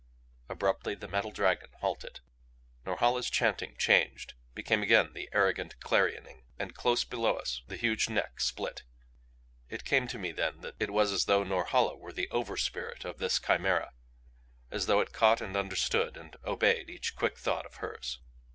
Abruptly the metal dragon halted. Norhala's chanting changed; became again the arrogant clarioning. And close below us the huge neck split. It came to me then that it was as though Norhala were the overspirit of this chimera as though it caught and understood and obeyed each quick thought of hers.